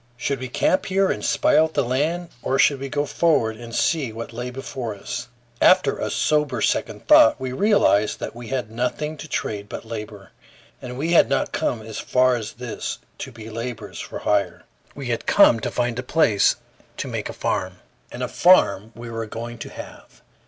Should we camp here and spy out the land, or should we go forward and see what lay before us? After a sober second thought, we realized that we had nothing to trade but labor; and we had not come as far as this to be laborers for hire. We had come to find a place to make a farm, and a farm we were going to have.